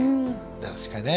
確かにね。